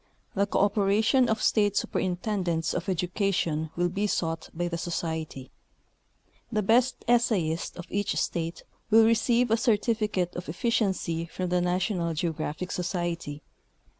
The cooperation of State Superintendents of Edu cation is sought by the Society. The best essayist of each state will receive a certificate of proficiency from the National Geo graphic Society.